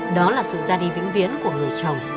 đó là sự ra đi vĩnh viễn của người chồng